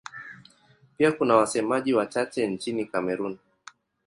Pia kuna wasemaji wachache nchini Kamerun.